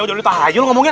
udah ditahayal ngomongnya